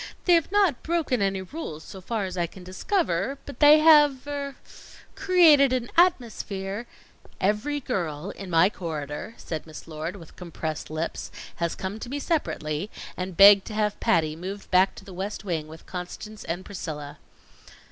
"They have not broken any rules so far as I can discover, but they have er created an atmosphere " "Every girl in my corridor," said Miss Lord, with compressed lips, "has come to me separately, and begged to have Patty moved back to the West Wing with Constance and Priscilla."